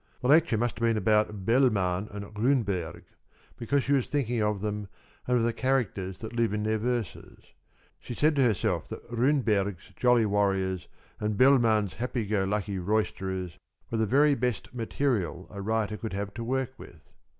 The lecture must have been about Bellman and Runeberg, because she was thinking of them and of the characters that live in their verses. She said to herself that Runeberg's jolly warriors and Bellman's happy go lucky roisterers were the very best material a writer could have to work with.